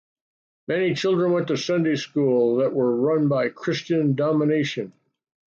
Many children just went to Sunday schools that were run by every Christian denomination.